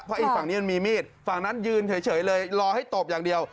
เพราะอีกฝั่งนี้มันมีมีดฝั่งนั้นยืนเฉยเลยรอให้ตบอย่างเดียว